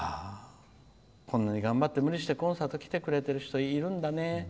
こんなに頑張って無理してコンサートに来てくれている人いるんだね。